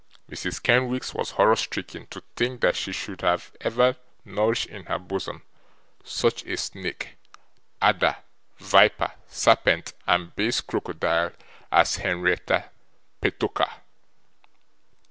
Mrs. Kenwigs was horror stricken to think that she should ever have nourished in her bosom such a snake, adder, viper, serpent, and base crocodile as Henrietta Petowker.